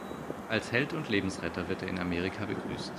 Als Held und Lebensretter wird er in Amerika begrüßt.